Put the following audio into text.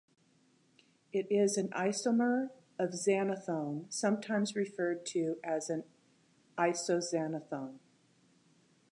It is an isomer of xanthone, sometimes referred to as an isoxanthone.